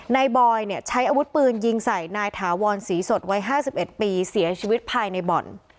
บอยเนี่ยใช้อาวุธปืนยิงใส่นายถาวรศรีสดวัย๕๑ปีเสียชีวิตภายในบ่อน